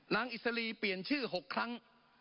อิสรีเปลี่ยนชื่อ๖ครั้ง